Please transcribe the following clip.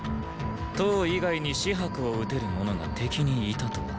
騰以外に紫伯を討てる者が敵にいたとは。